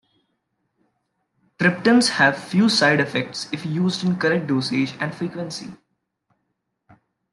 Triptans have few side effects if used in correct dosage and frequency.